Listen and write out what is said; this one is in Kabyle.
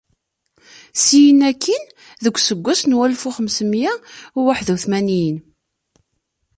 Syin akkin, deg useggas n walef u xemsemya u waḥed u tmanyin.